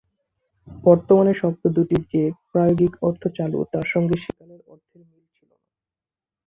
বর্তমানে শব্দ দুটির যে প্রায়োগিক অর্থ চালু তার সঙ্গে সেকালের অর্থের মিল ছিল না।